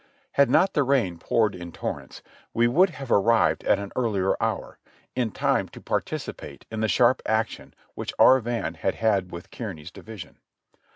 Had not the rain poured in torrents, we would have arrived at an earlier hour, in time to participate in the sharp action which our van had had with Kearny's division.